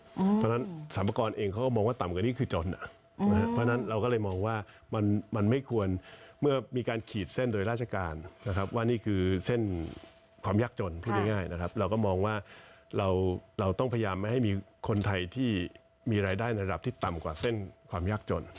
เพราะฉะนั้นสรรพากรเองเขาก็มองว่าต่ำกว่านี้คือจนเพราะฉะนั้นเราก็เลยมองว่ามันไม่ควรเมื่อมีการขีดเส้นโดยราชการนะครับว่านี่คือเส้นความยากจนพูดง่ายนะครับเราก็มองว่าเราต้องพยายามไม่ให้มีคนไทยที่มีรายได้ระดับที่ต่ำกว่าเส้นความยากจน